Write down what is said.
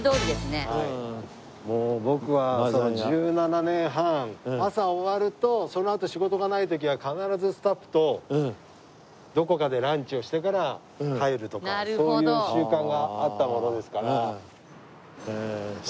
もう僕は１７年半朝終わるとそのあと仕事がない時は必ずスタッフとどこかでランチをしてから帰るとかそういう習慣があったものですから。